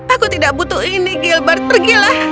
aku tidak butuh ini gilbert pergilah